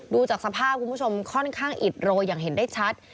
ดูจากสภาพคุณผู้ชมค่อนข้างอิดโรยอย่างเห็นได้ชัด